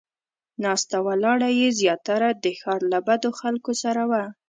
ناسته ولاړه یې زیاتره د ښار له بدو خلکو سره وه.